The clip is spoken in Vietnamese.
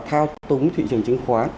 thao túng thị trường chứng khoán